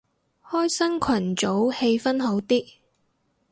開新群組氣氛好啲